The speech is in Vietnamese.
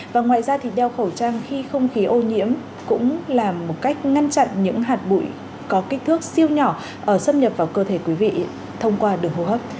và ngoài ra thì đeo khẩu trang khi không khí ô nhiễm cũng là một cách ngăn chặn những hạt bụi có kích thước siêu nhỏ xâm nhập vào cơ thể quý vị thông qua đường hô hấp